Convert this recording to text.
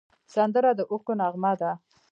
سندره د اوښکو نغمه ده